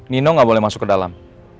nino nggak boleh masuk ke dalam